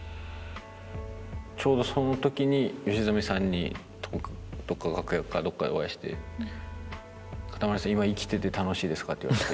ちょうどそのときに吉住さんに楽屋かどっかでお会いして「かたまりさん今生きてて楽しいですか？」って言われて。